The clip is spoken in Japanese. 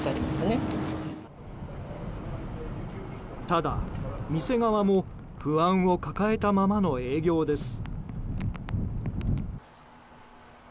ただ、店側も不安を抱えたままの営業です。